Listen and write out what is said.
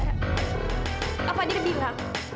kak fadil bilang